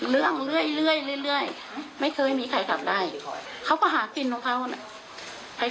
เรื่อยเรื่อยไม่เคยมีใครขับไล่เขาก็หากินของเขาน่ะไป